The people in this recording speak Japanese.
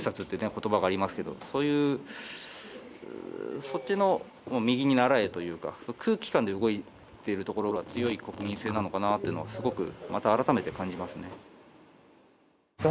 言葉がありますけどそういうそっちの右にならえというか空気感で動いているところが強い国民性なのかなってのはすごくまた改めて感じますね